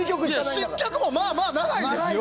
「失脚」もまあまあ長いですよ？